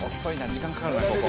時間かかるなここ。